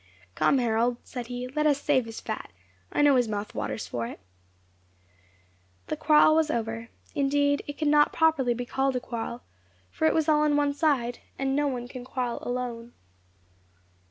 "Come, Harold," said he, "let us save his fat; I know his mouth waters for it." The quarrel was over. Indeed it could not properly be called a quarrel, for it was all on one side, and no one can quarrel alone.